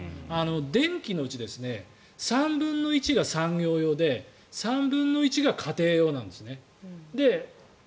電気のうち３分の１が産業用で３分の１が家庭用なんです。